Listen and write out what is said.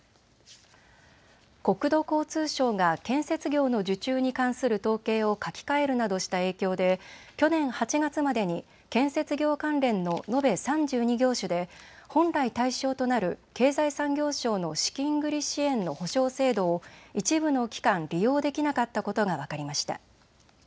国土交通省が建設業の受注に関する統計を書き換えるなどした影響で去年８月までに建設業関連の延べ３２業種で本来対象となる経済産業省の資金繰り支援の保証制度を一部の期間利用できなかったことが分かりました。